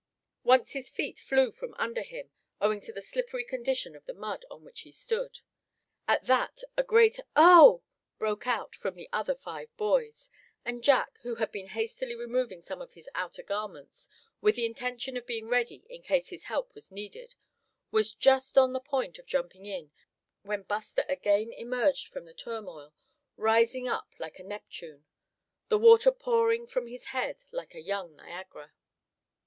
Once his feet flew from under him, owing to the slippery condition of the mud on which he stood. At that a great "Oh!" broke out from the other five boys; and Jack, who had been hastily removing some of his outer garments, with the intention of being ready in case his help was needed, was just on the point of jumping in, when Buster again emerged from the turmoil, rising up like a Neptune, the water pouring from his head like a young Niagara.